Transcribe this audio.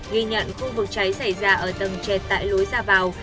ghi nhận khu vực cháy xảy ra ở tầng trệt tại lối ra vào